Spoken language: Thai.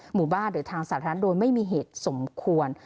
หมู่บ้านหรือทางสาธารณะโดยไม่มีเหตุสมควร